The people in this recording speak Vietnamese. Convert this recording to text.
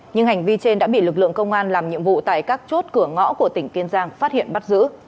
nhưng hành vi trên đã bị lực lượng công an làm nhiệm vụ tại các chốt cửa ngõ của tỉnh kiên giang phát hiện bắt giữ